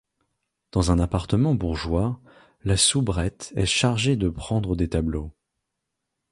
Dans un appartement bourgeois, la soubrette est chargée de pendre des tableaux.